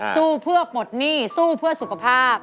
สู้เพื่อปลดหนี้สู้เพื่อสุขภาพ